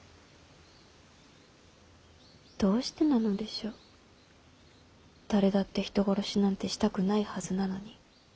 どうしてなのでしょう誰だって人殺しなんてしたくないはずなのに。